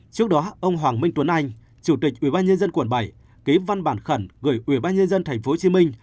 trước đó ông hoàng minh tuấn anh chủ tịch ubnd quận bảy ký văn bản khẩn gửi ubnd tp hcm